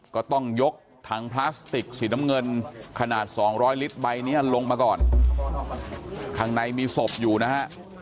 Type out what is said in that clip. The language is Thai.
ก็ต้องยกถังพลาสติกสีน้ำเงินขนาดสองร้อยลิตรใบเนี้ยลงมาก่อนข้างในมีศพอยู่นะฮะ